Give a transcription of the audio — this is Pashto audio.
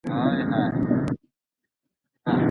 ولي هوډمن سړی د با استعداده کس په پرتله موخي ترلاسه کوي؟